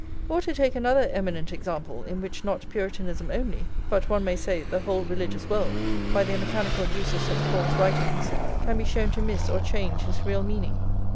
Or to take another eminent example, in which not Puritanism only, but, one may say, the whole religious world, by their mechanical use of St. Paul's writings, can be shown to miss or change his real meaning.